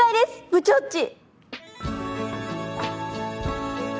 部長っち！